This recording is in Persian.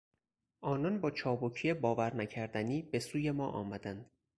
آنان با چابکی باور نکردنی به سوی ما آمدند.